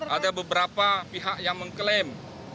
ada beberapa pihak yang mengklaim